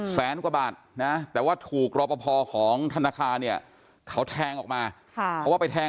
แสนกว่าบาทนะแต่ว่าถูกรอปภของธนาคารเนี่ยเขาแทงออกมาเพราะว่าไปแทง